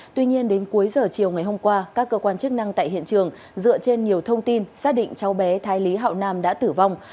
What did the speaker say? tuy nhiên đến cuối giờ chiều ngày hôm qua các cơ quan chức năng tại hiện trường dựa trên nhiều thông tin xác định cháu bé thái lý hậu nam đã tử vong